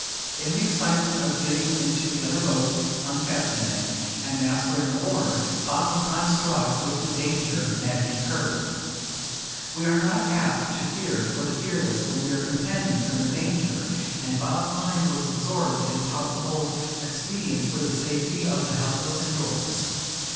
In the excitement of getting into the other boat, unfastening it, and mastering an oar, Bob was not struck with the danger Maggie incurred. We are not apt to fear for the fearless, when we are companions in their danger, and Bob's mind was absorbed in possible expedients for the safety of the helpless indoors.